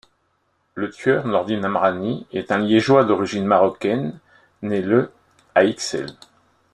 Le tueur, Nordine Amrani, est un Liégeois d'origine marocaine né le à Ixelles.